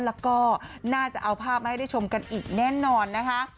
แล้วก็น่าจะเอาภาพมาให้ได้ชมกันอีกแน่นอนนะคะ